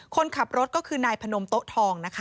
คนขับรถก็คือนายพนมโต๊ะทองนะคะ